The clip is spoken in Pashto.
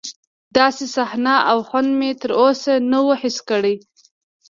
داسې صحنه او خوند مې تر اوسه نه و حس کړی.